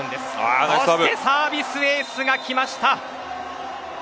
ここでサービスエースがきました。